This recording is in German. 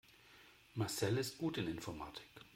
Marcel ist gut in Informatik.